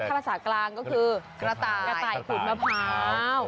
ภาษากลางก็คือกระไต่ขูดมะพร้าว